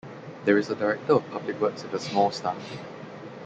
There is a Director of Public Works with a small staff.